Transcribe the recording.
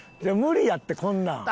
いや無理やってこんな。